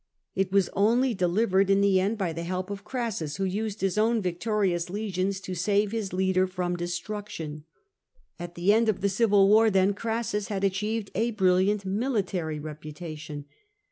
It was only delivered in the end by the help of Crassus, who used his own victorious legions to save his leader from destruction. At the end of the civil war, then, Crassus had achieved a brilliant military reputation.